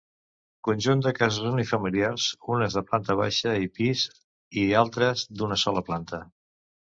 Conjunt de cases unifamiliars, unes de planta baixa i pis i altres, d'una sola planta.